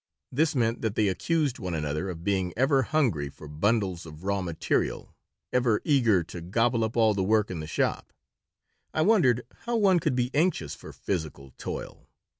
This meant that they accused one another of being ever hungry for bundles of raw material, ever eager to "gobble up all the work in the shop." I wondered how one could be anxious for physical toil.